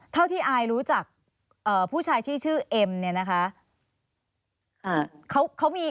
เท่าที่อายรู้จักผู้ชายที่ชื่อเอ็มเนี่ยนะคะ